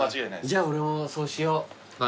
じゃあ俺もそうしよう。